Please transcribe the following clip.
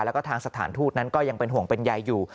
แล้วก็ทางสถานทูตนั้นก็ยังเป็นห่วงเป็นใยอยู่